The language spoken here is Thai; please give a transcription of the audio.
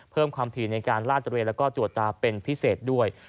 เพิ่มความถี่ในการลาดตระเวนแล้วก็ตรวจตาเป็นพิเศษด้วย